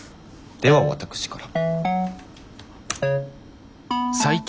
では私から。